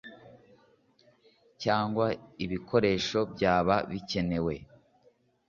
cyangwa ibikoresho byaba bikenewe